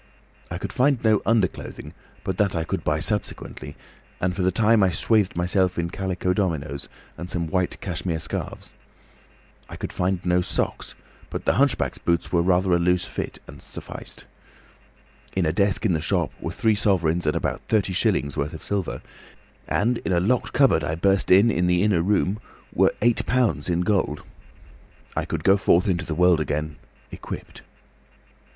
I could find no underclothing, but that I could buy subsequently, and for the time I swathed myself in calico dominoes and some white cashmere scarfs. I could find no socks, but the hunchback's boots were rather a loose fit and sufficed. In a desk in the shop were three sovereigns and about thirty shillings' worth of silver, and in a locked cupboard I burst in the inner room were eight pounds in gold. I could go forth into the world again, equipped.